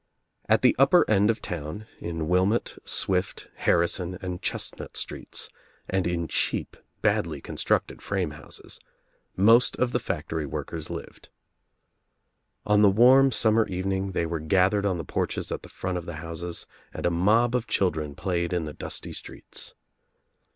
At the upper end of town, in Wilmott, Swift, Harrison and Chestnut Streets and in cheap, badly constructed frame houses, most of the fac tory workers lived. On the warm summer evening they were gathered on the porches at the front of the houses and a mob of children played in the dusty streets.